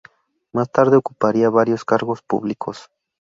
Más tarde ocuparía varios cargos públicos.